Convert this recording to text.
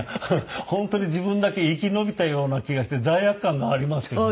本当に自分だけ生き延びたような気がして罪悪感がありますよね。